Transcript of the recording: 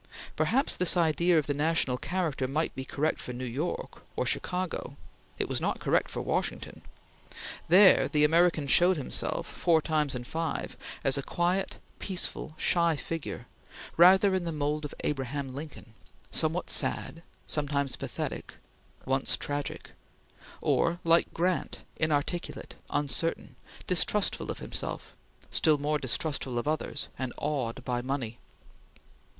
Perhaps this idea of the national character might be correct for New York or Chicago; it was not correct for Washington. There the American showed himself, four times in five, as a quiet, peaceful, shy figure, rather in the mould of Abraham Lincoln, somewhat sad, sometimes pathetic, once tragic; or like Grant, inarticulate, uncertain, distrustful of himself, still more distrustful of others, and awed by money.